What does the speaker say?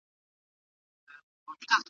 هغه سړی ناوخته راغی او مجلس يې خراب کړی.